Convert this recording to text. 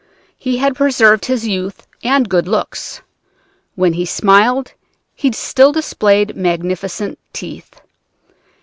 He had preserved his youth and good looks. When he smiled, he still displayed magnificent teeth.